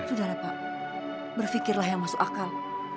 sudahlah pak berfikirlah yang masuk akal